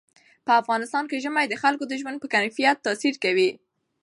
په افغانستان کې ژمی د خلکو د ژوند په کیفیت تاثیر کوي.